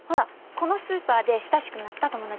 このスーパーで親しくなった友達。